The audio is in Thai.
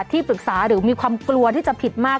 ที่ปรึกษาหรือมีความกลัวที่จะผิดมาก